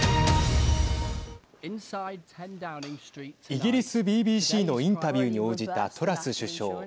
イギリスＢＢＣのインタビューに応じたトラス首相。